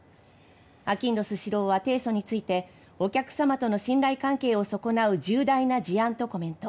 あきんどスシローは提訴についてお客様との信頼関係を損なう重大な事案とコメント。